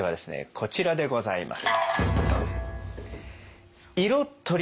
こちらでございます。